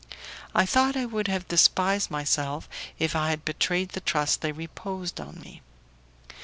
I thought I would have despised myself if I had betrayed the trust they reposed in me.